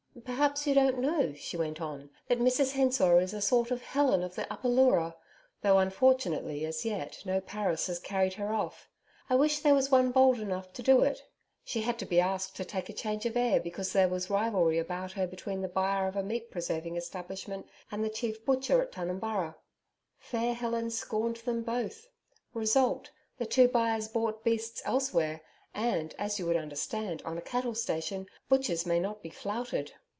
'Perhaps you don't know,' she went on, 'that Mrs Hensor is a sort of Helen of the Upper Leura though unfortunately as yet no Paris has carried her off I wish there was one bold enough to do it. She had to be asked to take a change of air because there was rivalry about her between the buyer of a Meat Preserving Establishment and the chief butcher at Tunumburra. Fair Helen scorned them both. Result: The two buyers bought beasts elsewhere and, as you would understand, on a cattle station, butchers may not be flouted.